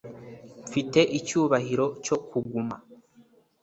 Mfite icyubahiro cyo kuguma